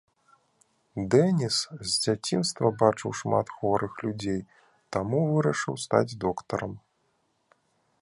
Дэніс з дзяцінства бачыў шмат хворых людзей, таму вырашыў стаць доктарам.